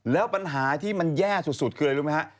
แล้วปัญหาที่มันแย่สุดคืออะไรรู้ไหมฮะ